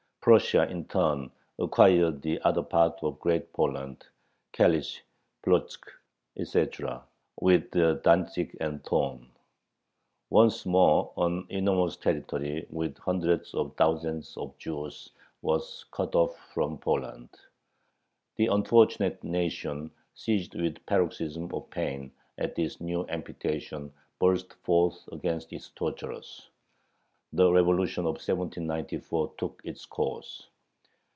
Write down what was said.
Prussia, in turn, acquired the other part of Great Poland (Kalish, Plotzk, etc.), with Dantzic and Thorn. Once more an enormous territory, with hundreds of thousands of Jews, was cut off from Poland. The unfortunate nation, seized with a paroxysm of pain at this new amputation, burst forth against its torturers. The Revolution of 1794 took its course.